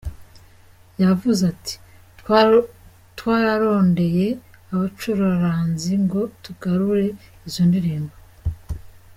Yavuze ati: "Twararondeye abacuraranzi ngo tugarure izo ndirimbo.